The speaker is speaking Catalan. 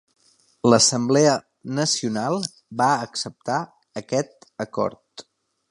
L'Assemblea Nacional va acceptar aquest acord.